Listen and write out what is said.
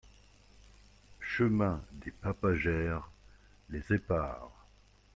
Chemin des Papagères, Les Éparres